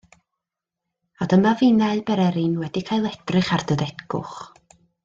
A dyma finnau bererin wedi cael edrych ar dy degwch.